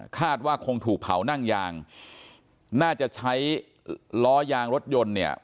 คาดว่าคงถูกเผานั่งยางน่าจะใช้ล้อยางรถยนต์เนี่ย